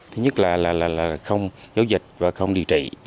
thứ nhất là không giấu dịch và không điều trị